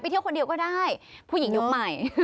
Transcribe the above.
เที่ยวคนเดียวก็ได้ผู้หญิงยุคใหม่